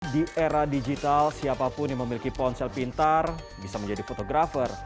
di era digital siapapun yang memiliki ponsel pintar bisa menjadi fotografer